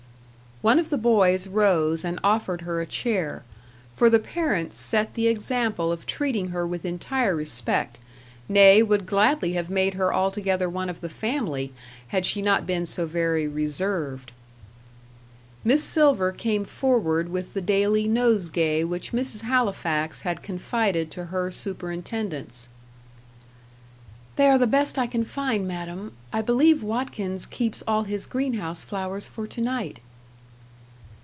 One of the boys rose and offered her a chair; for the parents set the example of treating her with entire respect nay, would gladly have made her altogether one of the family, had she not been so very reserved. Miss Silver came forward with the daily nosegay which Mrs. Halifax had confided to her superintendence. "They are the best I can find, madam I believe Watkins keeps all his greenhouse flowers for to night."